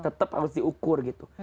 tetap harus diukur gitu